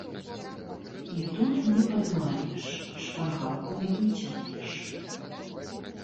І тут не падманеш, шпаргалку не выцягнеш.